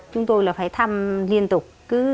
chúng tôi là phải thăm liên tục